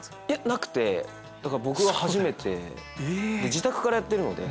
なくて僕が初めて。で自宅からやってるので。